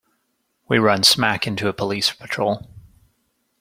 We run smack into a police patrol.